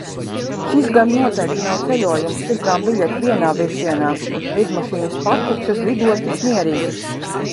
Šis gan noteikti nav ceļojums. Pirkām biļeti vienā virzienā. Lidmašīnas patukšas, lidostas mierīgas.